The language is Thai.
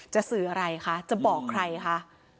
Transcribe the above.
สื่ออะไรคะจะบอกใครคะ